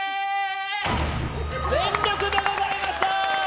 全力でございました！